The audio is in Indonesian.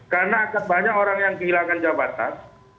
karena banyak orang yang kehilangan jabatan